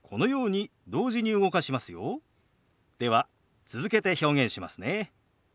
では続けて表現しますね。